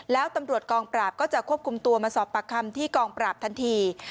แล้วตำรวจกองปราบก็จะควบคุมตัวมาสอบปากคำที่กองปราบทันที